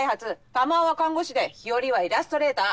珠緒は看護師で日和はイラストレーター。